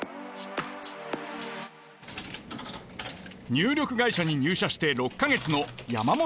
入力会社に入社して６か月の山本太郎さん。